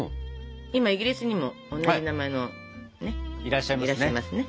今イギリスにも同じ名前のねっいらっしゃいますね。